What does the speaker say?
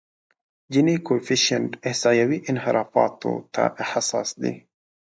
جیني کویفشینټ احصایوي انحرافاتو ته حساس دی.